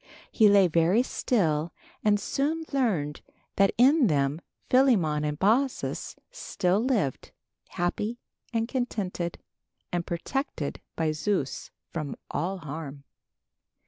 He lay very still and soon learned that in them Philemon and Baucis still lived, happy and contented, and protected by Zeus from all harm.